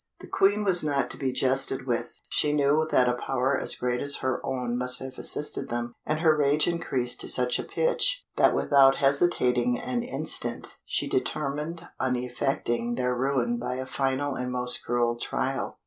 The Queen was not to be jested with. She knew that a power as great as her own must have assisted them, and her rage increased to such a pitch, that without hesitating an instant, she determined on effecting their ruin by a final and most cruel trial.